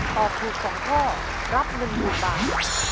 ตอบถูก๒ข้อรับ๑๐๐๐บาท